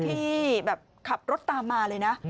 ที่แบบขับรถตามมาเลยนะ